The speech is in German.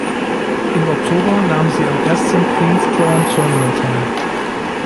Im Oktober nahm sie am ersten Queens Crown Tournament teil.